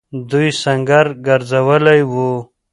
دوی سنګر گرځولی وو.